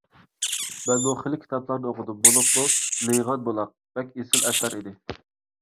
مەنمۇ خېلى كىتابلىرىنى ئوقۇدۇم، بولۇپمۇ «لېيىغان بۇلاق» بەك ئېسىل ئەسەر ئىدى.